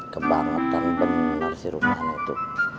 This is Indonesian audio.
kebangetan bener si rumahnya itu